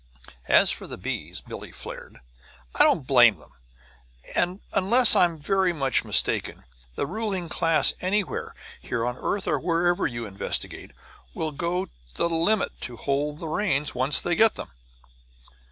"As for the bees," flared Billie, "I don't blame 'em! And unless I'm very much mistaken, the ruling class anywhere, here on the earth or wherever you investigate, will go the limit to hold the reins, once they get them!"